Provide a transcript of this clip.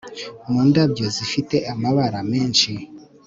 Mu ndabyo zifite amabara menshi